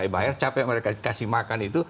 bayar capek mereka kasih makan itu